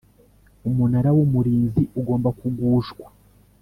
Umunara wUmurinzi ugomba kugushwa